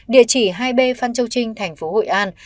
địa chỉ hai b phan châu trinh tp hội an